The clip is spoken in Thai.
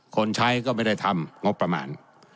คนใช้ก็ไม่ได้ทำงบประมาณ